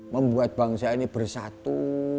membuat bangsa ini bersatu